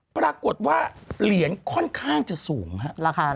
ปรากฏว่าเหรียญค่อนข้างจะสูงครับ